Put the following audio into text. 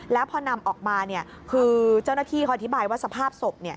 แล้วพอนำออกมาเนี่ยคือเจ้าหน้าที่เขาอธิบายว่าสภาพศพ